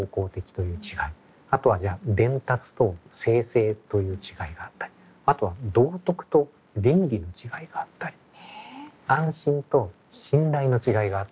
あとは伝達と生成という違いがあったりあとは道徳と倫理の違いがあったり安心と信頼の違いがあったりとか。